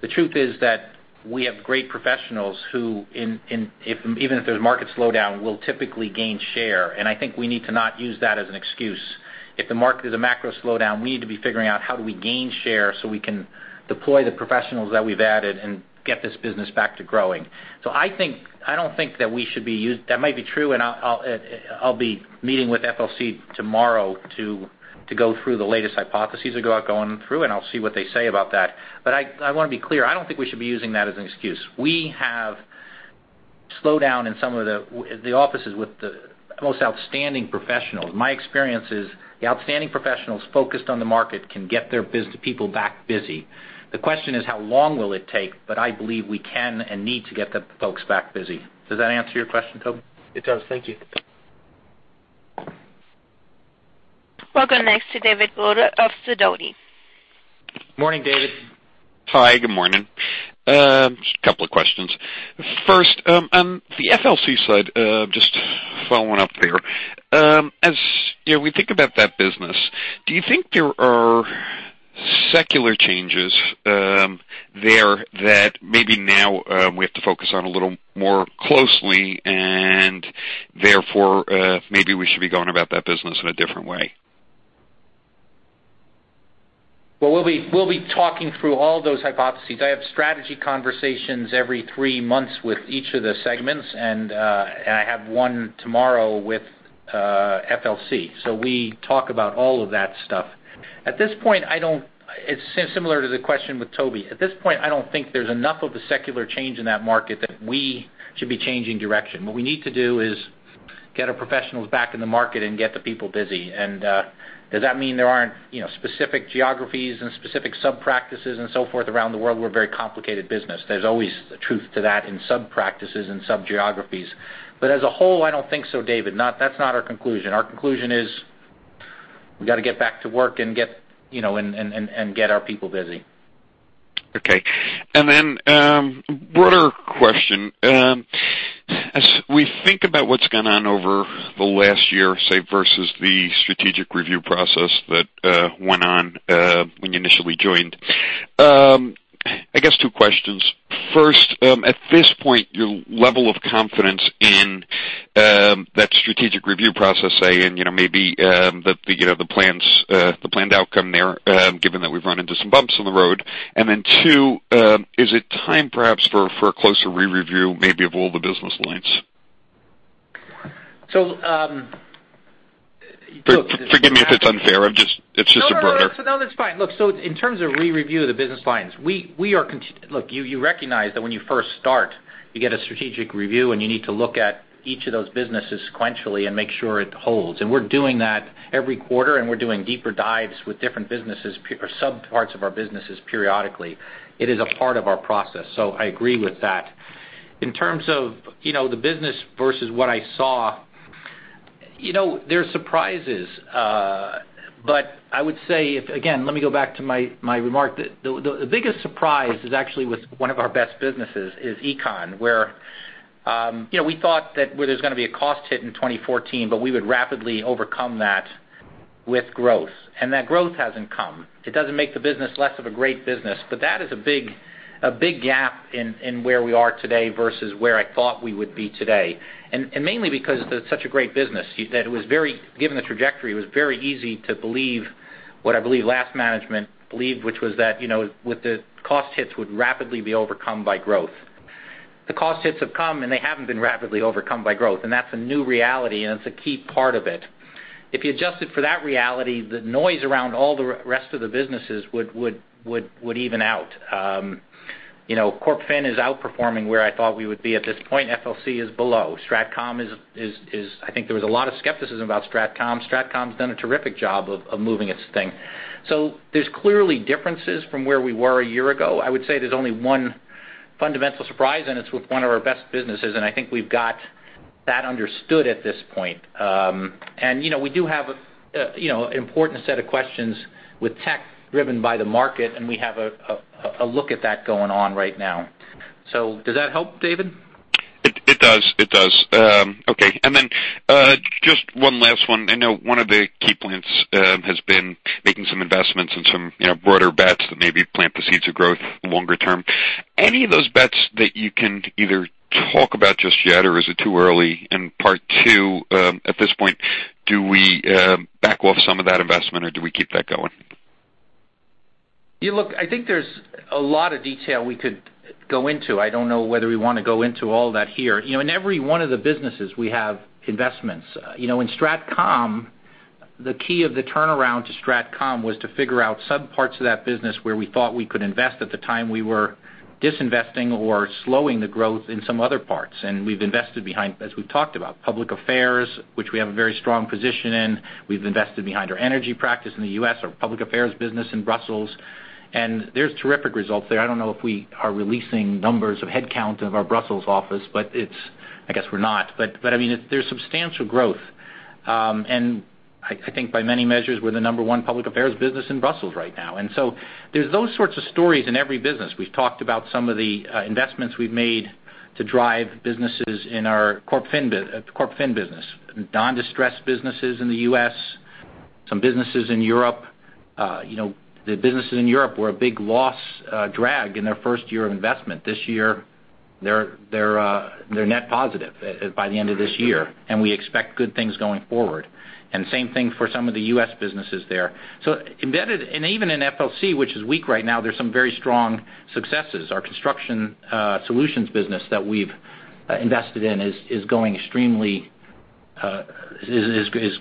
The truth is that we have great professionals who, even if there's market slowdown, will typically gain share, and I think we need to not use that as an excuse. If there's a macro slowdown, we need to be figuring out how do we gain share so we can deploy the professionals that we've added and get this business back to growing. That might be true, and I'll be meeting with FLC tomorrow to go through the latest hypotheses going through, and I'll see what they say about that. I want to be clear. I don't think we should be using that as an excuse. We have slowdown in some of the offices with the most outstanding professionals. My experience is the outstanding professionals focused on the market can get their people back busy. The question is, how long will it take? I believe we can and need to get the folks back busy. Does that answer your question, Tobey? It does. Thank you. We'll go next to David Gold of Sidoti & Company. Morning, David. Hi, good morning. Just a couple of questions. First, on the FLC side, just following up there. As we think about that business, do you think there are secular changes there that maybe now we have to focus on a little more closely, and therefore, maybe we should be going about that business in a different way? Well, we'll be talking through all those hypotheses. I have strategy conversations every 3 months with each of the segments, and I have one tomorrow with FLC. We talk about all of that stuff. It's similar to the question with Tobey. At this point, I don't think there's enough of a secular change in that market that we should be changing direction. What we need to do is get our professionals back in the market and get the people busy. Does that mean there aren't specific geographies and specific sub-practices and so forth around the world? We're a very complicated business. There's always a truth to that in sub-practices and sub-geographies. As a whole, I don't think so, David. That's not our conclusion. Our conclusion is we got to get back to work and get our people busy. Okay. Broader question. As we think about what's gone on over the last year, say, versus the strategic review process that went on when you initially joined, I guess 2 questions. First, at this point, your level of confidence in that strategic review process, say in maybe the planned outcome there, given that we've run into some bumps on the road. 2, is it time perhaps for a closer re-review maybe of all the business lines? So- Forgive me if it's unfair. It's just a broader- No, that's fine. Look, in terms of re-review of the business lines, you recognize that when you first start, you get a strategic review, and you need to look at each of those businesses sequentially and make sure it holds. We're doing that every quarter, and we're doing deeper dives with different businesses or subparts of our businesses periodically. It is a part of our process. I agree with that. In terms of the business versus what I saw, there's surprises. I would say, again, let me go back to my remark. The biggest surprise is actually with one of our best businesses is econ, where we thought that there's going to be a cost hit in 2014, but we would rapidly overcome that with growth, and that growth hasn't come. It doesn't make the business less of a great business, but that is a big gap in where we are today versus where I thought we would be today. Mainly because it's such a great business, given the trajectory, it was very easy to believe what I believe last management believed, which was that, with the cost hits, would rapidly be overcome by growth. The cost hits have come, and they haven't been rapidly overcome by growth, and that's a new reality, and it's a key part of it. If you adjusted for that reality, the noise around all the rest of the businesses would even out. Corporate Finance is outperforming where I thought we would be at this point. FLC is below. StratCom, I think there was a lot of skepticism about StratCom. StratCom's done a terrific job of moving its thing. There's clearly differences from where we were a year ago. I would say there's only one fundamental surprise, and it's with one of our best businesses, and I think we've got that understood at this point. We do have an important set of questions with tech driven by the market, and we have a look at that going on right now. Does that help, David? It does. Okay. Just one last one. I know one of the key plans has been making some investments in some broader bets that maybe plant the seeds of growth longer term. Any of those bets that you can either talk about just yet, or is it too early? Part two, at this point, do we back off some of that investment, or do we keep that going? Look, I think there's a lot of detail we could go into. I don't know whether we want to go into all that here. In every one of the businesses, we have investments. In StratCom, the key of the turnaround to StratCom was to figure out subparts of that business where we thought we could invest. At the time, we were disinvesting or slowing the growth in some other parts, and we've invested behind, as we've talked about, public affairs, which we have a very strong position in. We've invested behind our energy practice in the U.S., our public affairs business in Brussels. There's terrific results there. I don't know if we are releasing numbers of headcount of our Brussels office, but I guess we're not. There's substantial growth. I think by many measures, we're the number one public affairs business in Brussels right now. There's those sorts of stories in every business. We've talked about some of the investments we've made to drive businesses in our Corporate Finance business. Non-distressed businesses in the U.S., some businesses in Europe. The businesses in Europe were a big loss drag in their first year of investment. This year, they're net positive by the end of this year, and we expect good things going forward. Same thing for some of the U.S. businesses there. Even in FLC, which is weak right now, there's some very strong successes. Our construction solutions business that we've invested in is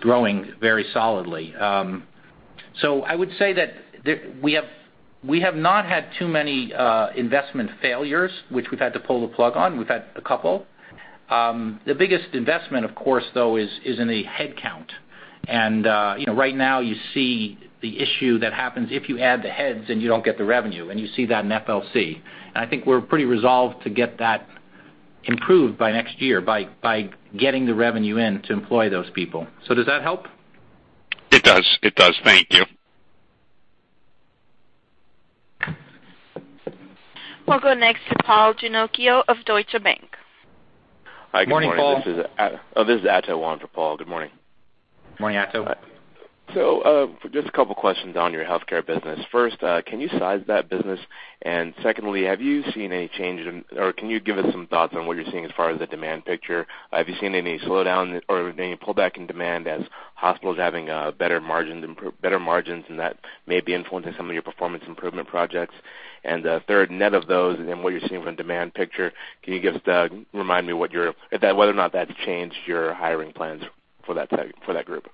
growing very solidly. I would say that we have not had too many investment failures, which we've had to pull the plug on. We've had a couple. The biggest investment, of course, though, is in a headcount. Right now you see the issue that happens if you add the heads and you don't get the revenue, and you see that in FLC. I think we're pretty resolved to get that improved by next year by getting the revenue in to employ those people. Does that help? It does. Thank you. We'll go next to Paul Ginocchio of Deutsche Bank. Morning, Paul. Hi, good morning. This is Ato Garrett for Paul. Good morning. Morning, Ato. Just a couple questions on your healthcare business. First, can you size that business? Secondly, have you seen any change in, or can you give us some thoughts on what you're seeing as far as the demand picture? Have you seen any slowdown or any pullback in demand as hospitals having better margins, and that may be influencing some of your performance improvement projects? Third, net of those and then what you're seeing from demand picture, can you remind me whether or not that's changed your hiring plans for that group?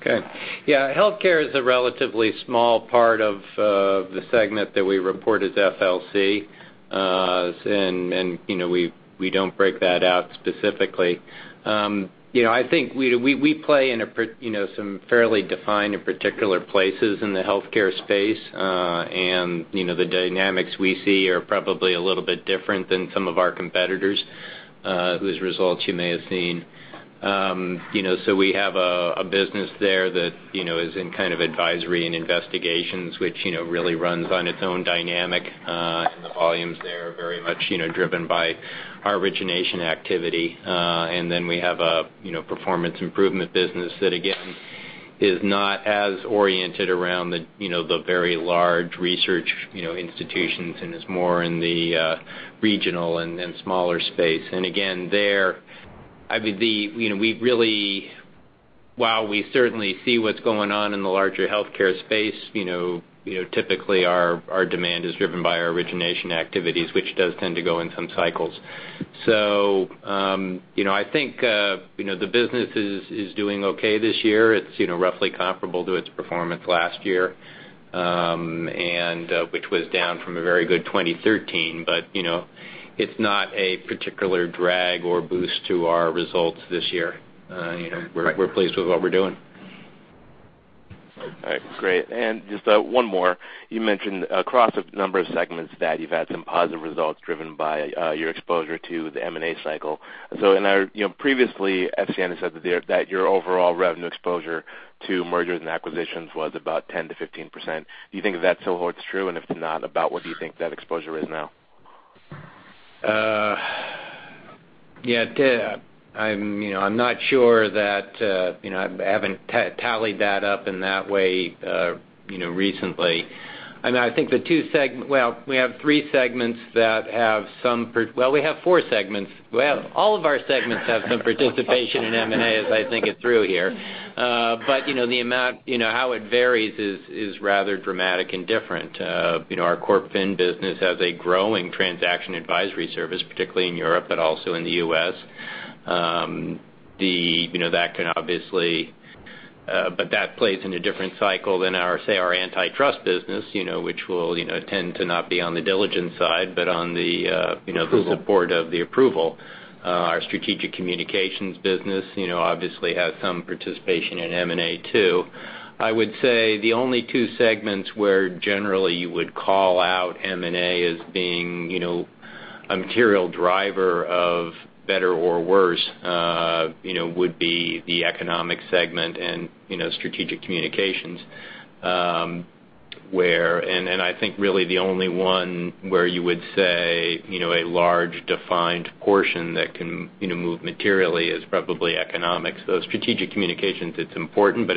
Okay. Yeah, healthcare is a relatively small part of the segment that we report as FLC, and we don't break that out specifically. I think we play in some fairly defined and particular places in the healthcare space. The dynamics we see are probably a little bit different than some of our competitors, whose results you may have seen. We have a business there that is in kind of advisory and investigations, which really runs on its own dynamic. The volumes there are very much driven by our origination activity. Then we have a performance improvement business that, again, is not as oriented around the very large research institutions and is more in the regional and smaller space. Again, there, while we certainly see what's going on in the larger healthcare space, typically our demand is driven by our origination activities, which does tend to go in some cycles. I think the business is doing okay this year. It's roughly comparable to its performance last year, which was down from a very good 2013. It's not a particular drag or boost to our results this year. We're pleased with what we're doing. All right. Great. Just one more. You mentioned across a number of segments that you've had some positive results driven by your exposure to the M&A cycle. Previously, FCN has said that your overall revenue exposure to mergers and acquisitions was about 10%-15%. Do you think that still holds true? If not, about what do you think that exposure is now? Yeah. I'm not sure. I haven't tallied that up in that way recently. We have four segments. All of our segments have some participation in M&A, as I think it through here. How it varies is rather dramatic and different. Our corp fin business has a growing transaction advisory service, particularly in Europe, but also in the U.S. That plays in a different cycle than, say, our antitrust business, which will tend to not be on the diligence side, but on the- Approval support of the approval. Our Strategic Communications business obviously has some participation in M&A too. I would say the only two segments where generally you would call out M&A as being a material driver of better or worse, would be the economic segment and Strategic Communications. I think really the only one where you would say a large defined portion that can move materially is probably economics. Strategic Communications, it's important, but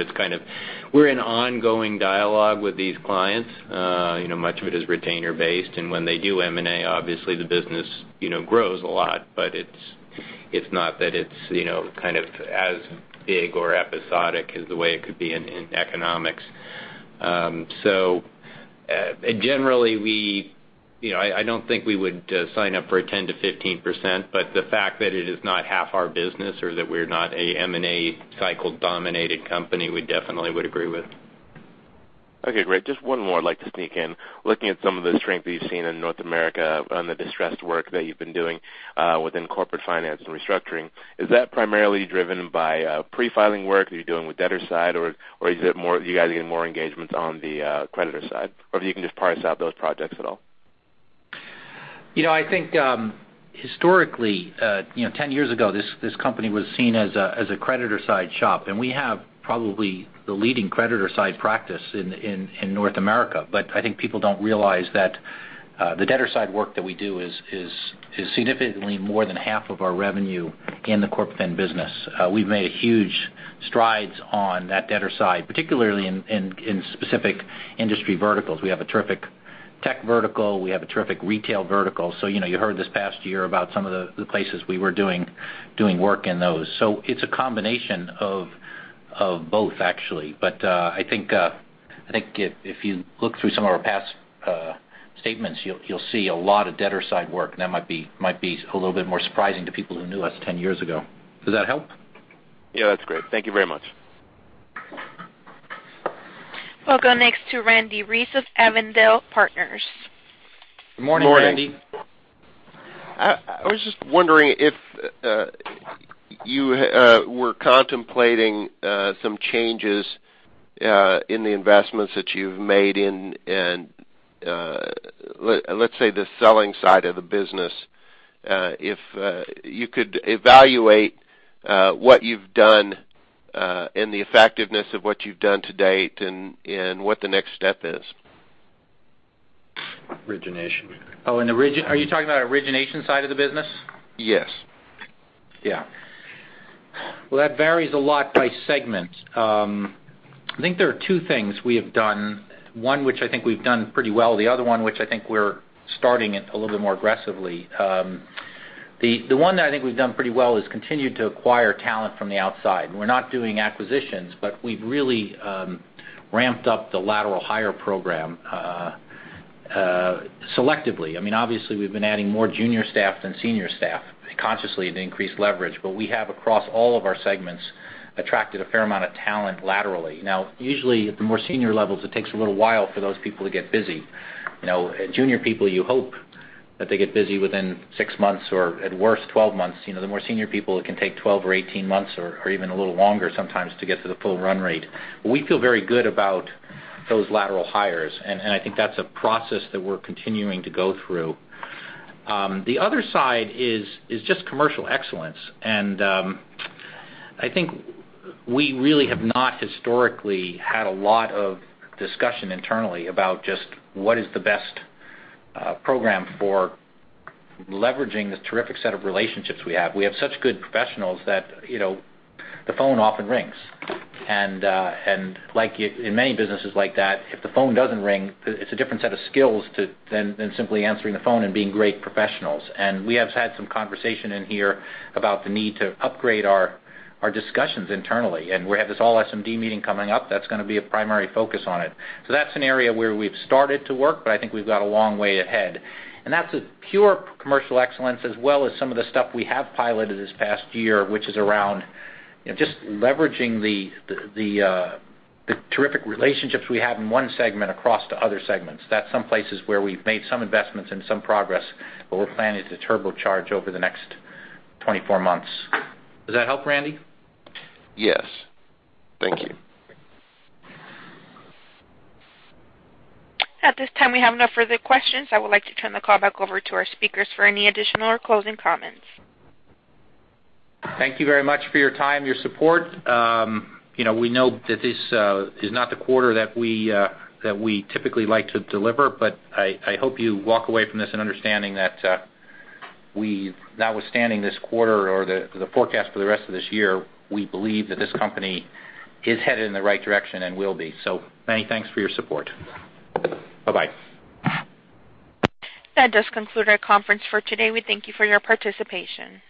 we're in ongoing dialogue with these clients. Much of it is retainer-based, and when they do M&A, obviously the business grows a lot, but it's not that it's kind of as big or episodic as the way it could be in economics. Generally, I don't think we would sign up for a 10%-15%, the fact that it is not half our business or that we're not a M&A cycle-dominated company, we definitely would agree with. Okay, great. Just one more I'd like to sneak in. Looking at some of the strength that you've seen in North America on the distressed work that you've been doing within Corporate Finance & Restructuring, is that primarily driven by pre-filing work that you're doing with debtor side, are you guys getting more engagements on the creditor side? If you can just parse out those projects at all. I think historically, 10 years ago, this company was seen as a creditor side shop, we have probably the leading creditor side practice in North America. I think people don't realize that the debtor side work that we do is significantly more than half of our revenue in the Corp Fin business. We've made huge strides on that debtor side, particularly in specific industry verticals. We have a terrific tech vertical. We have a terrific retail vertical. You heard this past year about some of the places we were doing work in those. It's a combination of both, actually. I think if you look through some of our past statements, you'll see a lot of debtor side work, and that might be a little bit more surprising to people who knew us 10 years ago. Does that help? Yeah, that's great. Thank you very much. We'll go next to Randy Reese of Avondale Partners. Good morning, Randy. Morning. I was just wondering if you were contemplating some changes in the investments that you've made in, let's say, the selling side of the business. If you could evaluate what you've done and the effectiveness of what you've done to date and what the next step is. Origination. Oh, are you talking about origination side of the business? Yes. Yeah. Well, that varies a lot by segment. I think there are two things we have done, one which I think we've done pretty well, the other one, which I think we're starting it a little bit more aggressively. The one that I think we've done pretty well is continued to acquire talent from the outside. We're not doing acquisitions, but we've really ramped up the lateral hire program selectively. Obviously, we've been adding more junior staff than senior staff consciously to increase leverage, but we have, across all of our segments, attracted a fair amount of talent laterally. Now, usually at the more senior levels, it takes a little while for those people to get busy. Junior people, you hope that they get busy within six months or at worst, 12 months. The more senior people, it can take 12 or 18 months or even a little longer sometimes to get to the full run rate. We feel very good about those lateral hires, and I think that's a process that we're continuing to go through. The other side is just commercial excellence, and I think we really have not historically had a lot of discussion internally about just what is the best program for leveraging the terrific set of relationships we have. We have such good professionals that the phone often rings. Like in many businesses like that, if the phone doesn't ring, it's a different set of skills than simply answering the phone and being great professionals. We have had some conversation in here about the need to upgrade our discussions internally, and we have this all SMD meeting coming up, that's going to be a primary focus on it. That's an area where we've started to work, but I think we've got a long way ahead. That's pure commercial excellence as well as some of the stuff we have piloted this past year, which is around just leveraging the terrific relationships we have in one segment across to other segments. That's some places where we've made some investments and some progress, but we're planning to turbocharge over the next 24 months. Does that help, Randy? Yes. Thank you. At this time, we have no further questions. I would like to turn the call back over to our speakers for any additional or closing comments. Thank you very much for your time, your support. We know that this is not the quarter that we typically like to deliver, but I hope you walk away from this in understanding that notwithstanding this quarter or the forecast for the rest of this year, we believe that this company is headed in the right direction and will be. Many thanks for your support. Bye-bye. That does conclude our conference for today. We thank you for your participation.